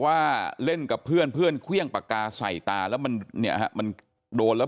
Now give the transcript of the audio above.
ว่าเล่นกับเพื่อนเพื่อนเครื่องปากกาใส่ตาแล้วมันเนี่ยฮะมันโดนแล้ว